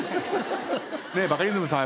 バカリズムさん